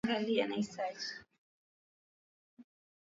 Zaidi ya yote utabaki kuwa Mungu.